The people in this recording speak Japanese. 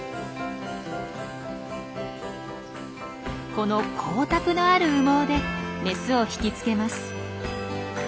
この光沢のある羽毛でメスを引きつけます。